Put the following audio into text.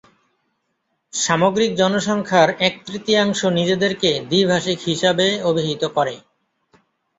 সামগ্রিক জনসংখ্যার এক তৃতীয়াংশ নিজেদেরকে দ্বিভাষিক হিসাবে অভিহিত করে।